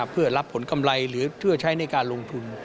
เพื่อรับผลกำไรหรือเพื่อใช้ในการลงทุน